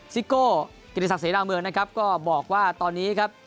ซิโก้กิติศักดิเสนาเมืองนะครับก็บอกว่าตอนนี้ครับ